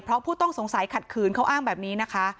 เพราะผู้ต้องสงสัยขัดขืนเขาอ้างแบบนี้นะคะ